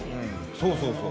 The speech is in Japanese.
そうそうそう。